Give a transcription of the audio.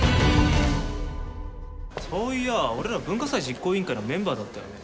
そういや俺ら文化祭実行委員会のメンバーだったよね。